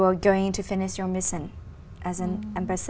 để giới thiệu về đan mạc